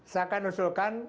saya akan usulkan